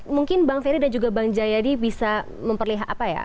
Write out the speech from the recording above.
mungkin bang ferry dan juga bang jayadi bisa memperlihat apa ya